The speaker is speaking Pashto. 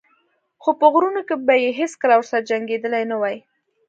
خو په غرونو کې به یې هېڅکله ورسره جنګېدلی نه وای.